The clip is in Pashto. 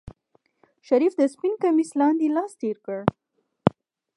شريف د سپين کميس لاندې لاس تېر کړ.